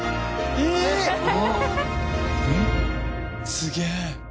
すげえ。